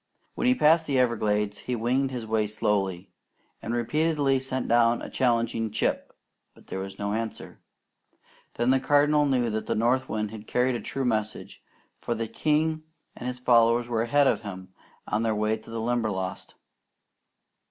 When he passed the Everglades, he winged his way slowly, and repeatedly sent down a challenging "Chip," but there was no answer. Then the Cardinal knew that the north wind had carried a true message, for the king and his followers were ahead of him on their way to the Limberlost.